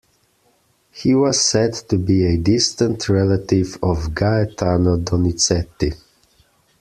He was said to be a distant relative of Gaetano Donizetti.